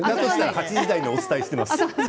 ８時台にお伝えしています。